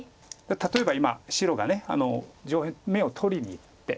例えば今白が上辺眼を取りにいって。